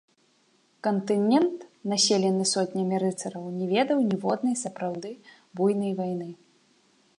Кантынент, населены сотнямі рыцараў, не ведаў ніводнай сапраўды буйной вайны.